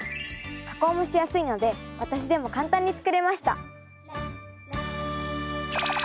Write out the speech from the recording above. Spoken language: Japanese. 加工もしやすいので私でも簡単に作れました。